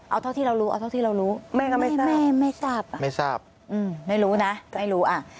เอาเท่าที่เรารู้เอาเท่าที่เรารู้แม่ก็ไม่ทราบแม่ไม่ทราบอ่ะไม่ทราบอืมไม่รู้นะไม่รู้อ่ะ